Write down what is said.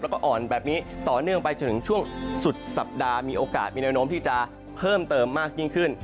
แล้วก็อ่อนแบบนี้ต่อเนื่องไปจนถึงช่วงสุดสัปดาห์มีโอกาสมีแนวโน้มที่จะเพิ่มเติมมากยิ่งขึ้น